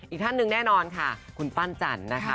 อีกท่านหนึ่งแน่นอนค่ะคุณปั้นจันทร์นะคะ